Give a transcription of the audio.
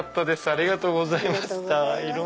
ありがとうございます。